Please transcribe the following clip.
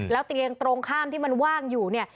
แล้วเตียงตรงข้ามที่มันว่างอยู่เนี่ย